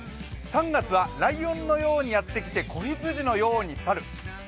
３月はライオンのようにやってきて子羊のように去る。